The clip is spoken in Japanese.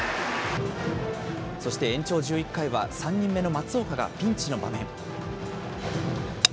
そして延長１１回は、３人目の松岡がピンチの場面。